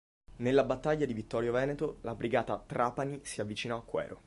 Nella Battaglia di Vittorio Veneto la brigata "Trapani" si avvicinò a Quero.